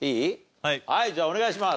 じゃあお願いします。